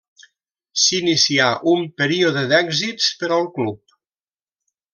S'inicià un període d'èxits per al club.